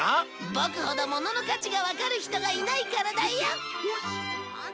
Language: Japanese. ボクほどものの価値がわかる人がいないからだよ！